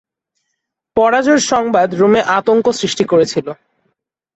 পরাজয়ের সংবাদ রোমে আতঙ্ক সৃষ্টি করেছিল।